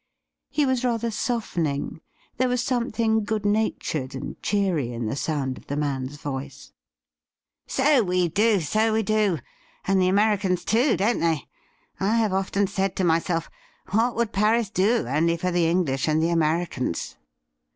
He was rather softening; there was something good natured and cheery in the sound of the man's voice. ' So we do, so we do ; and the Americans, too, don't they? I have often said to myself, "What would Paris do, only for the English and the Americans